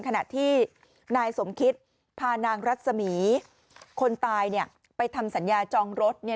ขณะที่นายสมคิตพานางรัฐสมีคนตายไปทำสัญญาจองรถ